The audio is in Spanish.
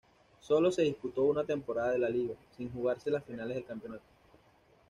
Sólo se disputó una temporada de la liga, sin jugarse las finales del campeonato.